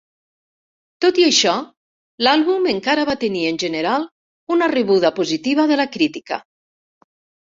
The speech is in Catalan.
Tot i això, l'àlbum encara va tenir en general una rebuda positiva de la crítica.